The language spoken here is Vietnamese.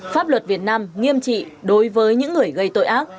pháp luật việt nam nghiêm trị đối với những người gây tội ác